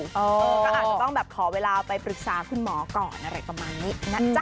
ก็อาจจะต้องแบบขอเวลาไปปรึกษาคุณหมอก่อนอะไรประมาณนี้นะจ๊ะ